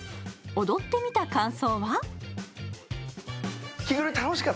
踊ってみた感想は？